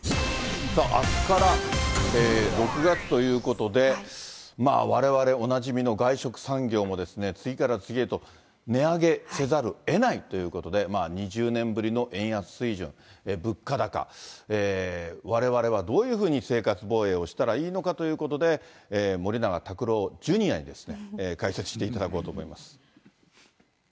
あすから６月ということで、われわれ、おなじみの外食産業も次から次へと値上げせざるをえないということで、２０年ぶりの円安水準、物価高、われわれはどういうふうに生活防衛をしたらいいのかということで、森永卓郎ジュニアに解説していただこうと思います。